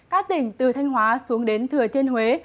các tỉnh từ thanh hóa xuống đến thừa thiên huế